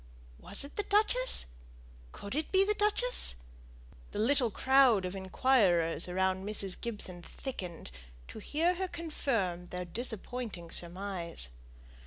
Was it the duchess? Could it be the duchess? The little crowd of inquirers around Mrs. Gibson thickened, to hear her confirm their disappointing surmise.